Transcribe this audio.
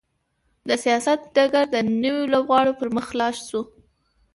د سیاست ډګر د نویو لوبغاړو پر مخ خلاص شو.